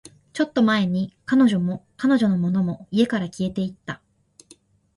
ちょっと前に、彼女も、彼女のものも、家から消えていった